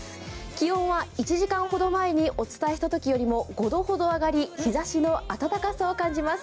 気温は１時間ほど前にお伝えしたときよりも５度ほど上がり日ざしの暖かさを感じます。